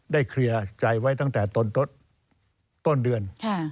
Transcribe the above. เคลียร์ใจไว้ตั้งแต่ต้นเดือน